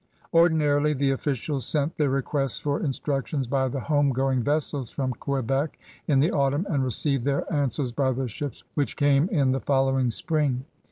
Ordinarily the officials sent their requests for instructions by the home going vessels from Quebec in the autumn and received their answers by the ships which came in the following spring.